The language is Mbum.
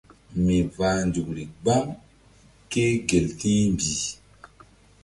Mi vah nzukri gbam ké gel ti̧hmbih.